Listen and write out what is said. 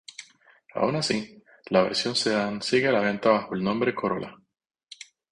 Aun así, la versión sedán sigue a la venta bajo el nombre Corolla.